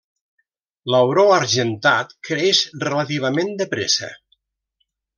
L'auró argentat creix relativament de pressa.